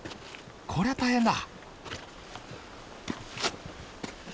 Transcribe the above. こりゃ大変だ。